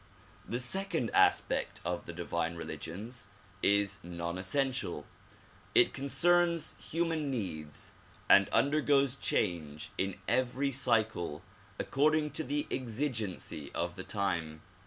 The second aspect of the divine religions is non essential. It concerns human needs and undergoes change in every cycle according to the exi gency of the time.